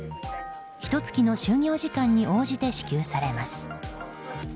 ひと月の就業時間に応じて支給されます。